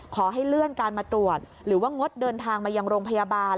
ขอให้เลื่อนการมาตรวจหรือว่างดเดินทางมายังโรงพยาบาล